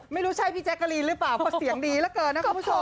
ไม่ใช่พี่แจ๊กกะลีนหรือเปล่าเพราะเสียงดีเหลือเกินนะคุณผู้ชม